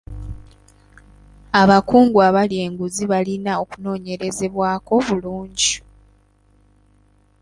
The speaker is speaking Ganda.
Abakungu abalya enguzi balina okunoonyerezebwako bulungi.